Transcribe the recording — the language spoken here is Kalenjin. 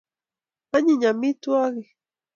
anyiny amitwagik